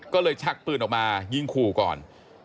ก็เลยชักปืนออกมายิงขู่ก่อน